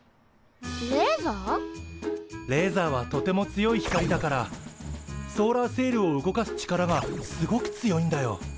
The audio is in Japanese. レーザーはとても強い光だからソーラーセイルを動かす力がすごく強いんだよ。